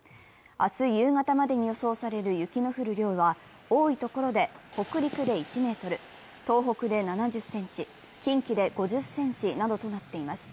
明日夕方までに予想される雪の降る量は、多いところで北陸で１ｍ、東北で７０ｃｍ、近畿で５０ｃｍなどとなっています。